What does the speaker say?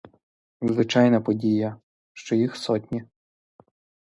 Звичайна подія, що їх сотні.